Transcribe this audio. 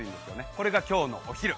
これが今日のお昼。